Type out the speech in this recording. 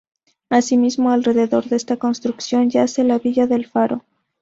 Asimismo, alrededor de esta construcción yace la villa del Faro.